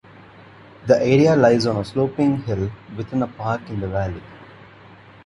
The area lies on a sloping hill with a park in the valley.